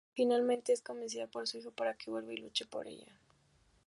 Finalmente es convencido por su hijo para que vuelva y luche por ella.